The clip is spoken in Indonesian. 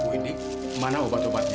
bu indik mana obat obatnya